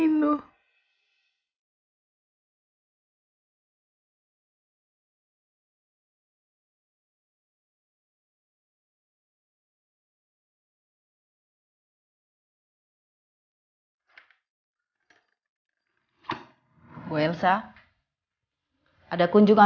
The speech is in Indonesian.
kamu duduk dulu elsa